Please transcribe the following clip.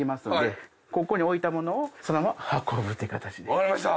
分かりました。